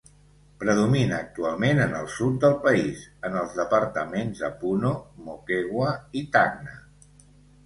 Predomina actualment en el sud del país, en els departaments de Puno, Moquegua i Tacna.